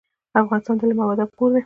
افغانستان د علم او ادب کور دی.